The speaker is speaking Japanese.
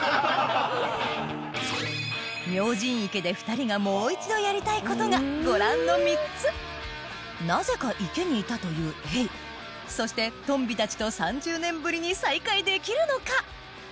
明神池で２人がもう一度やりたいことがご覧の３つなぜか池にいたというエイそしてトンビたちと３０年ぶりに再会できるのか？